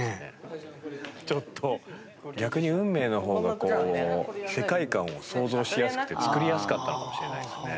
逆に『運命』の方が世界観を想像しやすくて作りやすかったのかもしれないですね。